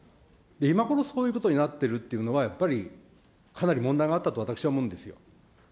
今頃そういうことになっているというのは、やっぱりかなり問題があったと私は思うんですよ。